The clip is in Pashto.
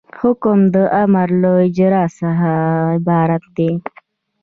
حکم د امر له اجرا څخه عبارت دی.